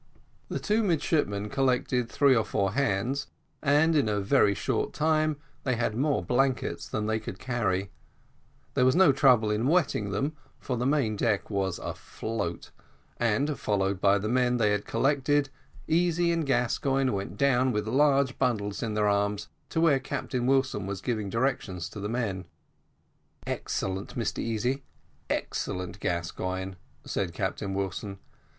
The two midshipmen collected three or four hands, and in a very short time they had more blankets than they could carry there was no trouble in wetting them, for the main deck was afloat and followed by the men they had collected, Easy and Gascoigne went down with large bundles in their arms to where Captain Wilson was giving directions to the men. "Excellent, Mr Easy! excellent, Mr Gascoigne;" said Captain Wilson.